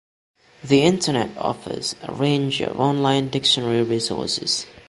The Internet offers a range of online dictionary resources.